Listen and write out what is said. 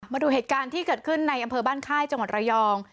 มาดูเหตุการณ์ที่เกิดขึ้นในอำเภอบ้านค่ายจังหวัดระยอง